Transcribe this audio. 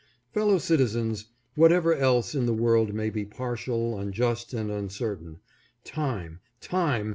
Fellow citizens, whatever else in the world may be partial, unjust and uncertain, time, time